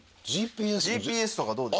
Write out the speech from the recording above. ＧＰＳとかどうです？